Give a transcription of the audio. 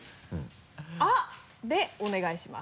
「あ」でお願いします。